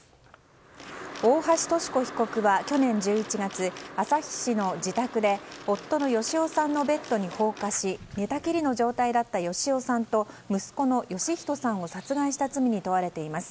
大橋とし子被告は去年１１月旭市の自宅で夫の芳男さんのベッドに放火し寝たきりの状態だった芳男さんと息子の芳人さんを殺害した罪に問われています。